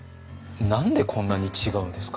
何でこんなに違うんですか？